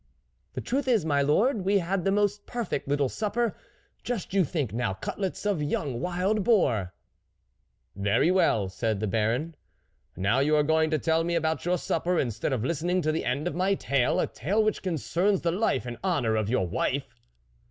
44 The truth is, my lord, we had the most perfect little supper ! just you think now cutlets of young wild boar ..." 44 Very well," said the Baron, 44 now you are going to tell me about your supper, instead of listening to the end of my tale, a tale which concerns the life and honour of your wife